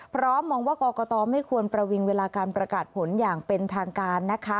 มองว่ากรกตไม่ควรประวิงเวลาการประกาศผลอย่างเป็นทางการนะคะ